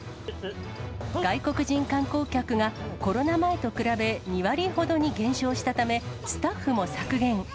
外国人観光客がコロナ前と比べ２割ほどに減少したため、スタッフも削減。